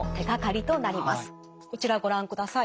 こちらご覧ください。